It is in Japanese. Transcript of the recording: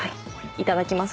いただきます。